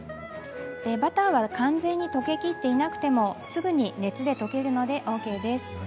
バターは完全に溶けきっていなくてもすぐに熱で溶けるのでＯＫです。